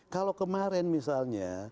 kalau kemarin misalnya